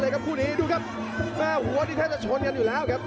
คู่นี้ดูกันครับหัวทีแทร่จะชนกันอยู่แล้วครับ